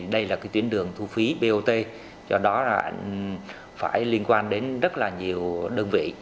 đây là tuyến đường thu phí bot do đó phải liên quan đến rất nhiều đơn vị